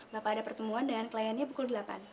bapak ada pertemuan dengan kliennya pukul delapan